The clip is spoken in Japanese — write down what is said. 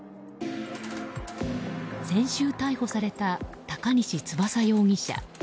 先週逮捕された高西翼容疑者。